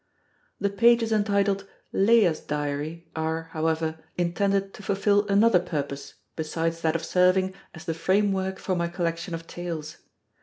The pages entitled "Leah's Diary" are, however, intended to fulfill another purpose besides that of serving as the frame work for my collection of tales.